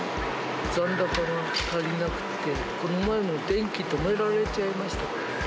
残高が足りなくて、この前も電気止められちゃいました。